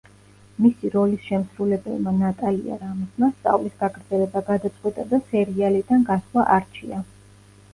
მისი როლის შემსრულებელმა ნატალია რამოსმა სწავლის გაგრძელება გადაწყვიტა და სერიალიდან გასვლა არჩია.